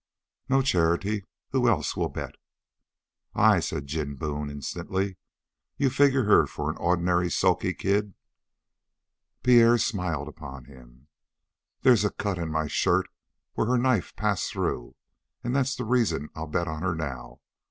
"No charity. Who else will bet?" "I," said Jim Boone instantly. "You figure her for an ordinary sulky kid." Pierre smiled upon him. "There's a cut in my shirt where her knife passed through; and that's the reason that I'll bet on her now."